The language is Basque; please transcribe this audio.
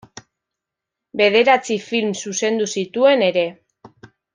Bederatzi film zuzendu zituen ere.